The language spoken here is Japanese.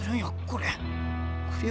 これ。